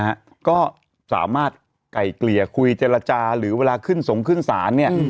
นะฮะก็สามารถไก่เกลี่ยคุยเจรจาหรือเวลาขึ้นสงขึ้นศาลเนี่ย